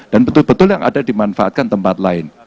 dan betul betul yang ada dimanfaatkan tempat lain